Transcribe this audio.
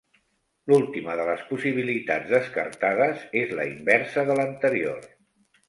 L'última de les possibilitats descartades és la inversa de l'anterior.